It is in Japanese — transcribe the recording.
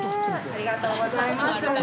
ありがとうございます。